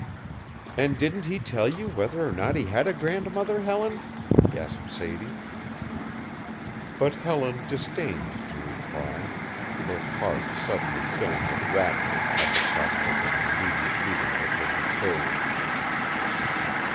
"And didn't he tell you whether or not he had a grandmother, Helen?" gasped Sadie. But Helen disdained to reply, her heart suddenly filling with rapture at the prospect of an immediate meeting with her betrothed.